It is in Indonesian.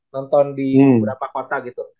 nonton di beberapa kota gitu